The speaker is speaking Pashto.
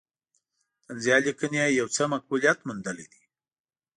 طنزیه لیکنې یې یو څه مقبولیت موندلی دی.